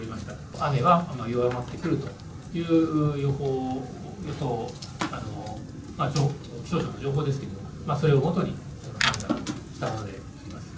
雨は弱まってくるという予想、気象庁の情報ですけども、それをもとに判断したわけです。